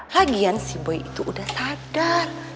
lagian si boi itu udah sadar